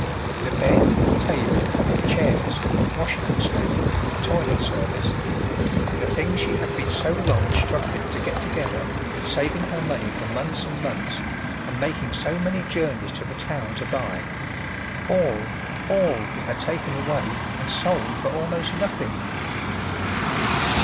The bed, table, chairs, washhandstand, toilet service the things she had been so long struggling to get together, saving her money for months and months, and making so many journeys to the town to buy all, all he had taken away and sold for almost nothing!